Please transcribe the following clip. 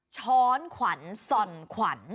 ช้อนขวัญส่อนขวัญ